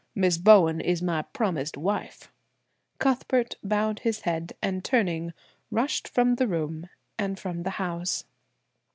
Miss Bowen is my promised wife." Cuthbert bowed his head, and turning, rushed from the room and from the house.